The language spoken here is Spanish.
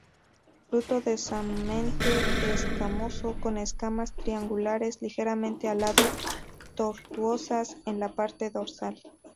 Fruto densamente escamoso, con escamas triangulares, ligeramente alado-tortuosas en la parte dorsal.